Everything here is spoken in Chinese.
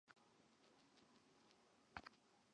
拆除后的空地辟为县民广场及屏东转运站。